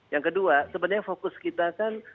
yang kedua sebenarnya fokus kita kan